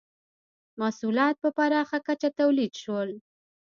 • محصولات په پراخه کچه تولید شول.